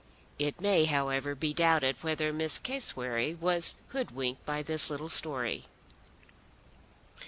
It may, however, be doubted whether Miss Cassewary was hoodwinked by this little story.